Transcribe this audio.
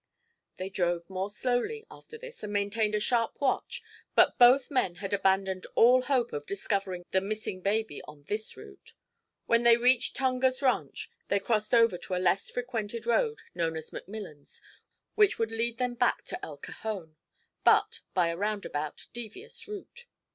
They drove more slowly, after this, and maintained a sharp watch; but both men had abandoned all hope of discovering the missing baby on this route. When they reached Tungar's Ranch they crossed over to a less frequented road known as McMillan's which would lead them back to El Cajon, but by a roundabout, devious route.